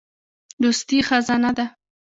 دوستي خزانه ده.